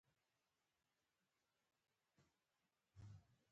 اسماعیل مخکې و او زه ورپسې.